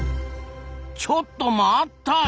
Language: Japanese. ちょっと待った！